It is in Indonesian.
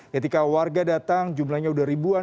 ketika warga datang jumlahnya sudah ribuan